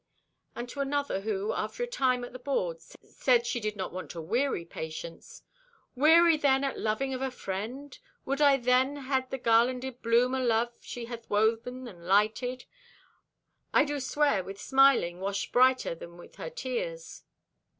And to another who, after a time at the board, said she did not want to weary Patience: "Weary then at loving of a friend? Would I then had the garlanded bloom o' love she hath woven and lighted, I do swear, with smiling washed brighter with her tears."